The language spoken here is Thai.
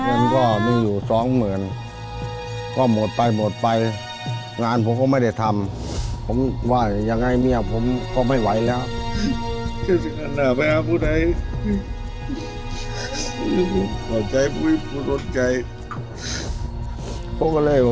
เงินก็มีอยู่สองหมื่นก็หมดไปหมดไปงานผมก็ไม่ได้ทำผมว่ายังไงเมียผมก็ไม่ไหวแล้ว